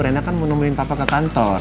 rena kan mau nomelin papa ke kantor